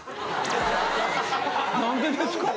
何でですか？